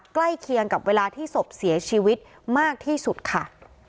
ใกล้เคียงกับเวลาที่ศพเสียชีวิตมากที่สุดค่ะ